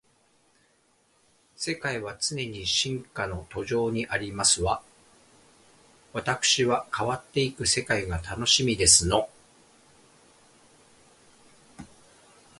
世界は常に進化の途上にありますわ。わたくしは変わっていく世界が楽しみですの